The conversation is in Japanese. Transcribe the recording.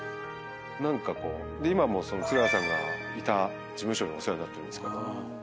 今も津川さんがいた事務所にお世話になってるんですけど。